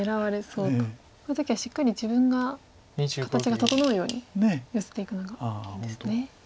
こういう時はしっかり自分が形が整うようにヨセていくのがいいんですね。